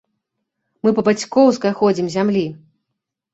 Мы па бацькаўскай ходзім зямлі!